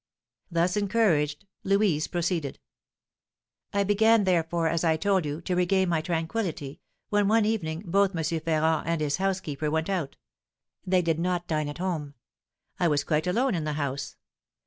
Thus encouraged, Louise proceeded: "I began, therefore, as I told you, to regain my tranquillity, when one evening both M. Ferrand and his housekeeper went out. They did not dine at home. I was quite alone in the house.